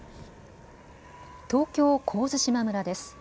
東京神津島村です。